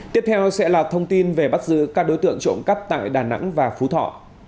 tiếp theo sẽ là thông tin về bắt giữ các đối tượng trộm cắp tại đà nẵng và phú thọ